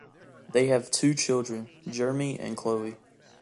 They have two children: Jeremy and Chloe.